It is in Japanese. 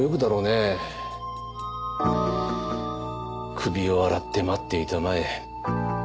首を洗って待っていたまえ。